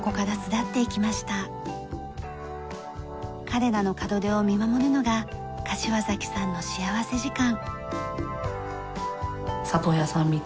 彼らの門出を見守るのが柏崎さんの幸福時間。